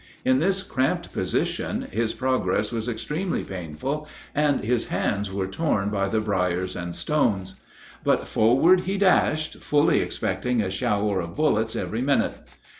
In this cramped position his progress was extremely painful, and his hands were torn by the briers and stones; but forward he dashed, fully expecting a shower of bullets every minute.